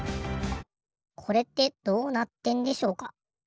これってどうなってんでしょうか？